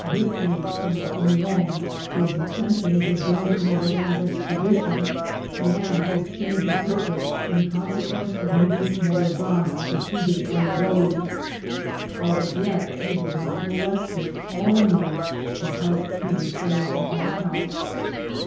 up with me from La Union, his intention to join Mora zan's expedition, and his change of purpose in conse quence of meeting Morazan defeated on the road ; that as yet he was not molested only because he was stay ing at my house.